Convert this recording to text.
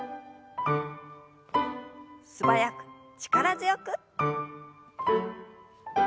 素早く力強く。